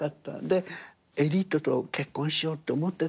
でエリートと結婚しようって思ってたのね。